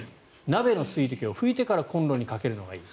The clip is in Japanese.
鍋の水滴を拭いてからコンロにかけるのがいい。